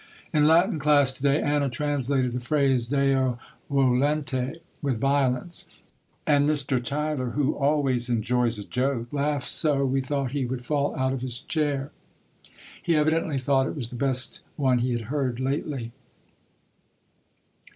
In Latin class to day Anna translated the phrase Deo Volente "with violence," and Mr. Tyler, who always enjoys a joke, laughed so, we thought he would fall out of his chair. He evidently thought it was the best one he had heard lately.